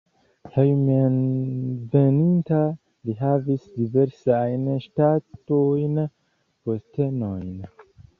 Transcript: Hejmenveninta li havis diversajn ŝtatajn postenojn.